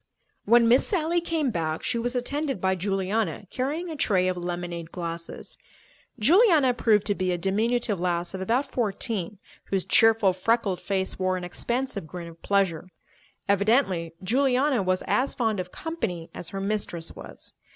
When Miss Sally came back, she was attended by Juliana carrying a tray of lemonade glasses. Juliana proved to be a diminutive lass of about fourteen whose cheerful, freckled face wore an expansive grin of pleasure. Evidently Juliana was as fond of "company" as her mistress was.